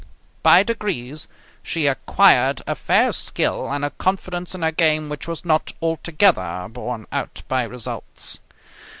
By degrees she acquired a fair skill and a confidence in her game which was not altogether borne out by results.